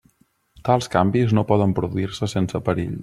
Tals canvis no poden produir-se sense perill.